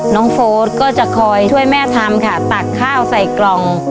โฟสก็จะคอยช่วยแม่ทำค่ะตักข้าวใส่กล่อง